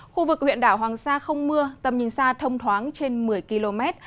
khu vực huyện đảo hoàng sa không mưa tầm nhìn xa thông thoáng trên một mươi km